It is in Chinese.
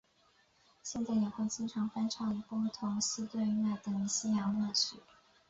现在也会经常翻唱披头四乐队等的西洋乐曲。